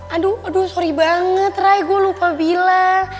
aduh aduh sorry banget rai gue lupa bila